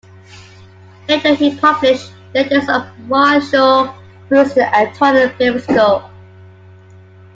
Later he published "Letters of Marcel Proust to Antoine Bibesco".